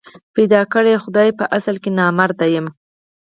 پيدا کړی خدای په اصل کي نامراد یم